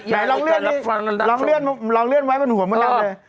ไหนลองเลื่อนนี่ลองเลื่อนไว้บนหัวมันแล้วเลย